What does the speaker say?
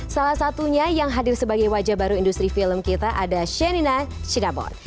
salah satunya yang hadir sebagai wajah baru industri film kita ada shenina sinamon